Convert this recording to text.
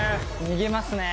逃げますね。